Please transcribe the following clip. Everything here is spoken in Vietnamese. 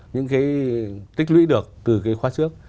những cái tích lũy được từ cái khóa trước